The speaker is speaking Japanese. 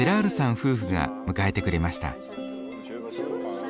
夫婦が迎えてくれました。